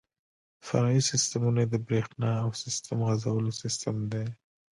فرعي سیسټمونه یې د بریښنا او سیسټم غځولو سیستم دی.